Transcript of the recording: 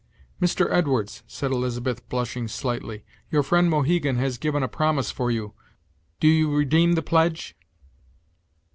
"Mr. Edwards," said Elizabeth, blushing slightly, "your friend Mohegan has given a promise for you. Do you redeem the pledge?"